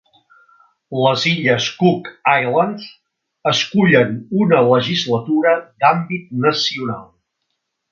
Les Illes Cook Islands escullen una legislatura d'àmbit nacional.